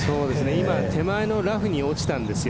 今手前のラフに落ちたんですよ。